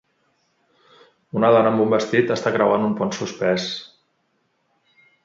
Una dona amb un vestit està creuant un pont suspès.